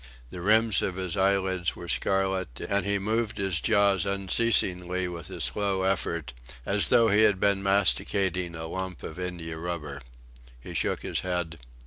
The rims of his eyelids were scarlet, and he moved his jaws unceasingly with a slow effort, as though he had been masticating a lump of india rubber. He shook his head.